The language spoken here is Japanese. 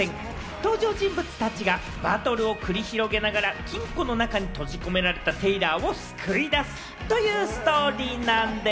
登場人物たちがバトルを繰り広げながら、金庫の中に閉じ込められたテイラーを救い出すというストーリーなんでぃす！